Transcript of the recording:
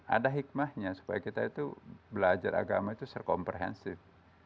ada hikmahnya supaya kita itu belajar agama itu sekomprehensif